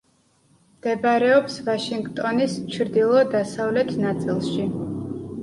მდებარეობს ვაშინგტონის ჩრდილო-დასავლეთ ნაწილში.